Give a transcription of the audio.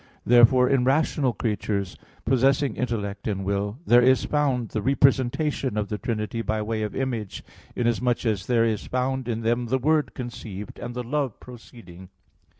Therefore in rational creatures, possessing intellect and will, there is found the representation of the Trinity by way of image, inasmuch as there is found in them the word conceived, and the love proceeding.